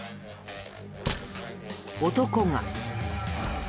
男が。